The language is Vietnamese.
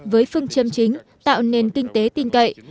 với phương châm chính tạo nền kinh tế tin cậy